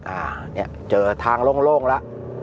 อ่าเนี่ยเจอทางโล่งแล้ว